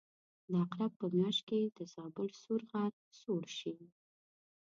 د عقرب په میاشت کې د زابل سور غر سوړ شي.